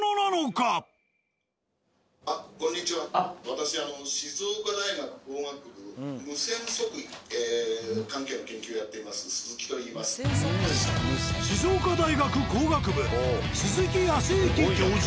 私あの静岡大学・工学部鈴木康之教授。